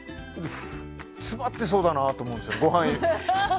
詰まってそうだなと思うんですよ。